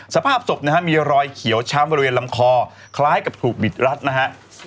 สภาพศพนะฮะมีรอยเขียวช้ำบริเวณลำคอคล้ายกับถูกบิดรัดนะฮะ